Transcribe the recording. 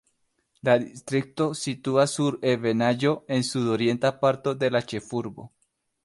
La distrikto situas sur ebenaĵo en sud-orienta parto de la ĉefurbo.